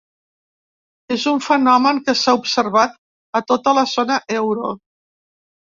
És un fenomen que s’ha observat a tota la zona euro.